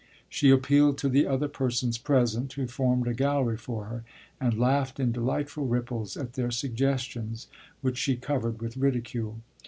She appealed to the other persons present, who formed a gallery for her, and laughed in delightful ripples at their suggestions, which she covered with ridicule.